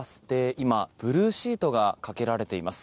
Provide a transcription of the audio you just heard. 今、ブルーシートがかけられています。